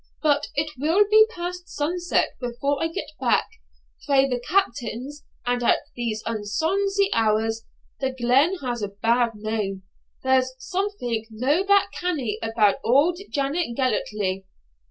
But it will be past sunset afore I get back frae the Captain's, and at these unsonsy hours the glen has a bad name; there's something no that canny about auld Janet Gellatley.